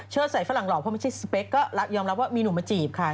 ใส่ฝรั่งหล่อเพราะไม่ใช่สเปคก็ยอมรับว่ามีหนุ่มมาจีบค่ะ